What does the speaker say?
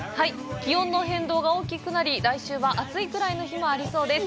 気温の変動が大きくなり、来週は暑いくらいの日もありそうです。